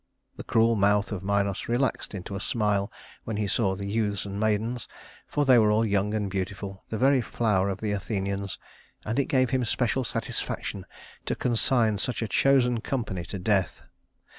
The cruel mouth of Minos relaxed into a smile when he saw the youths and maidens, for they were all young and beautiful, the very flower of the Athenians, and it gave him special satisfaction to consign such a chosen company to death.